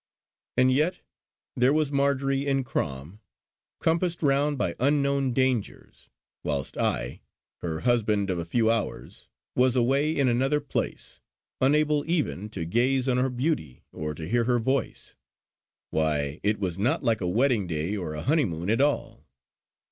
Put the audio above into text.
And yet.... There was Marjory in Crom, compassed round by unknown dangers, whilst I, her husband of a few hours, was away in another place, unable even to gaze on her beauty or to hear her voice. Why, it was not like a wedding day or a honeymoon at all.